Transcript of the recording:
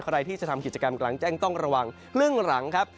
ใครที่จะทำกิจกรรมกลางแจ้งต้องระวังครึ่งหลังครับ